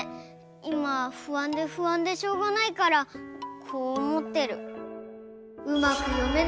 いまふあんでふあんでしょうがないからこうおもってる。